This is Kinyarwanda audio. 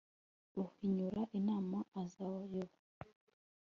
uhinyura inama azayoba